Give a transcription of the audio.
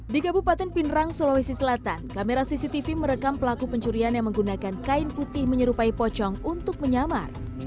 di kabupaten pinerang sulawesi selatan kamera cctv merekam pelaku pencurian yang menggunakan kain putih menyerupai pocong untuk menyamar